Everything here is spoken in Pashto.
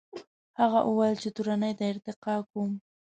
هغه وویل چې تورنۍ ته ارتقا کوم.